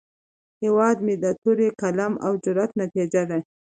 هیواد مې د تورې، قلم، او جرئت نتیجه ده